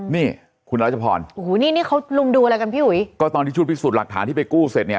นี่คุณรัชพรโอ้โหนี่นี่เขาลุงดูอะไรกันพี่อุ๋ยก็ตอนที่ชุดพิสูจน์หลักฐานที่ไปกู้เสร็จเนี่ย